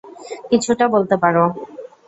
কিছুটা বলতে পারো।